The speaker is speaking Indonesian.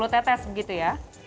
sepuluh tetes begitu ya